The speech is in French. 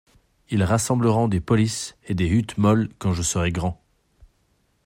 Ils rassembleront des polices et des huttes molles quand je serai grand.